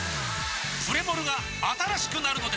プレモルが新しくなるのです！